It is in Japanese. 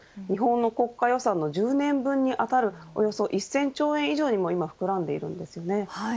日本の国家予算の１０年分にあたるおよそ１０００兆円以上にも膨らんでいます。